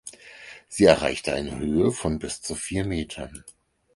Sie erreicht eine Höhe von bis zu vier Metern.